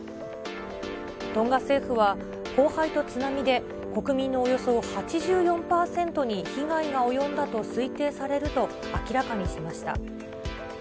トンガ政府は、降灰と津波で国民のおよそ８４％に被害が及んだと推定されると明らかにしました。